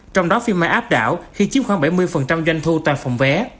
trong đó phim mai áp đảo khi chiếm khoảng bảy mươi doanh thu toàn phòng vé